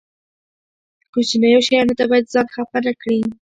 کوچنیو شیانو ته باید ځان خپه نه کړي.